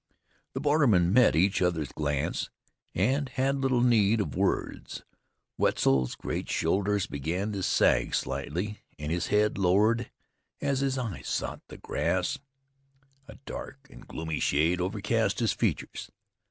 The bordermen met each other's glance, and had little need of words. Wetzel's great shoulders began to sag slightly, and his head lowered as his eyes sought the grass; a dark and gloomy shade overcast his features.